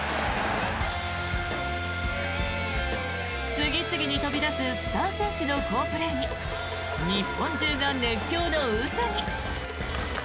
次々に飛び出すスター選手の好プレーに日本中が熱狂の渦に。